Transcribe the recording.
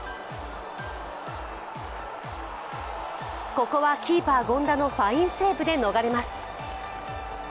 ここはキーパー・権田のファインセーブで逃れます。